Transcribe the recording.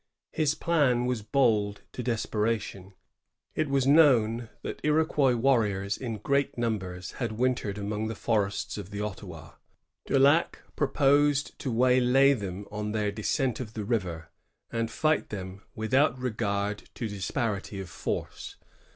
His plan was bold to desperation. It was known that Iroquois warriors in great numbers had wintered among the forests of the Ottawa. Daulac proposed to waylay them on their descent of the river, and fight them without regard to disparity of force.